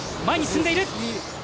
前に進んでいる。